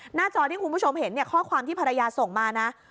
จอที่คุณผู้ชมเห็นเนี่ยข้อความที่ภรรยาส่งมานะ